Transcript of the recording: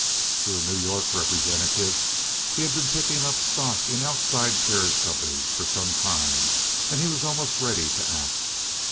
Through a New York representative, he had been picking up stock in outside carriage companies for some time and he was almost ready to act.